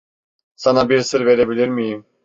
Sana bir sır verebilir miyim?